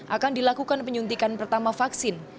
akan dilakukan penyuntikan pertama vaksin